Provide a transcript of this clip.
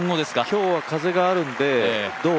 今日は風があるので、どう？